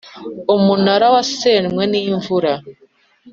Umunara wasenywe n’imvura.